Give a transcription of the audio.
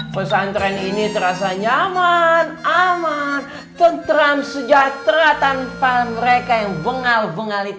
pesantren ini terasa nyaman aman tentram sejahtera tanpa mereka yang bengal bengal